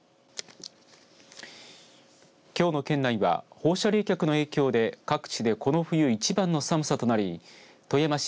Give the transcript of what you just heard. きょうの県内は放射冷却の影響で各地でこの冬いちばんの寒さとなり富山市